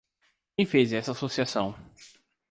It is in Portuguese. Quem fez essa associação?